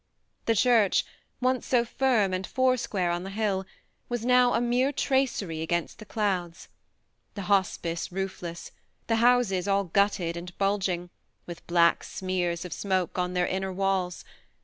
The church, once so firm and four square on the hill, was now a mere tracery against the clouds ; the hospice roofless, the houses all gutted and bulging, with black smears of smoke on their inner walls.